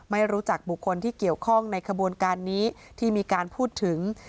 ไม่รู้จักบุคคลที่เกี่ยวข้องในขบวนการนี้ที่มีการพูดถึง